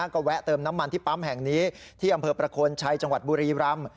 ก็แวะเติมน้ำมันที่ปั๊มแห่งนี้ที่อำเภอประโคนชัยจังหวัดบุรีรำ